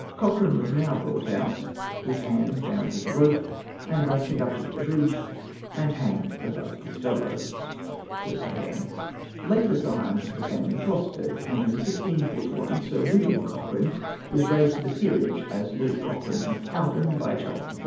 Cochran was now brought out, his hands bound with a rope, and thus conducted to the bridge, and hanged above his fellows."] Later scions of the family prospered, and in 1641, Sir William Cochrane was raised to the peerage, as Lord Cochrane of Cowden, by Charles I.